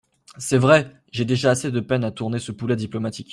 C’est vrai !… j’ai déjà assez de peine à tourner ce poulet diplomatique…